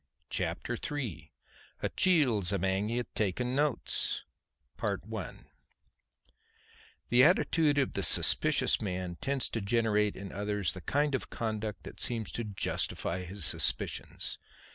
Chapter III "A Chiel's Amang Ye Takin' Notes" The attitude of the suspicious man tends to generate in others the kind of conduct that seems to justify his suspicions.